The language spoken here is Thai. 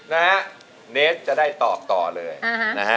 นะฮะเนสจะได้ตอบต่อเลยนะฮะ